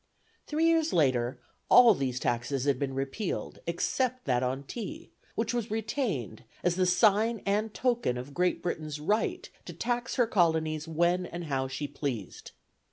Three years later all these taxes had been repealed, except that on tea, which was retained as the sign and token of Great Britain's right to tax her colonies when and how she pleased.